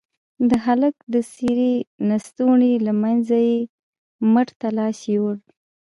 د هلك د څيرې لستوڼي له منځه يې مټ ته لاس يووړ.